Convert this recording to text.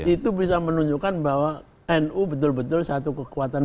itu bisa menunjukkan bahwa nu betul betul satu kekuatan